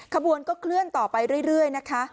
ขบวนก็เคลื่อนต่อไปเรื่อยนะคะ